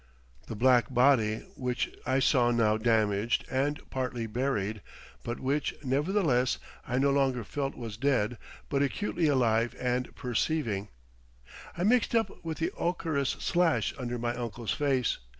The black body which saw now damaged and partly buried, but which, nevertheless, I no longer felt was dead but acutely alive and perceiving, I mixed up with the ochreous slash under my uncle's face.